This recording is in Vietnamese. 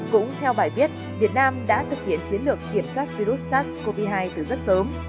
cũng theo bài viết việt nam đã thực hiện chiến lược kiểm soát virus sars cov hai từ rất sớm